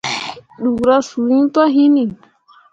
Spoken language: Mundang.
Ɗukra suu iŋ pah hinni.